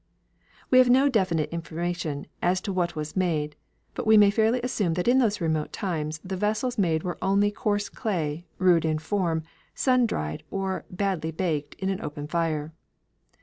We have no definite information as to what was made, but we may fairly assume that in those remote times the vessels made were only course clay, rude in form, sun dried or badly baked in an open fire.